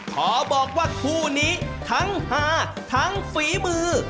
ขอบอกว่าคู่นี้ทั้งฮาทั้งฝีมือ